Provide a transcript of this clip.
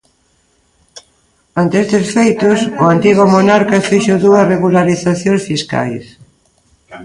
Ante estes feitos, o antigo monarca fixo dúas regularizacións fiscais.